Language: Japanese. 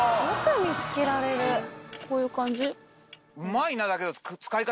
こういう感じ？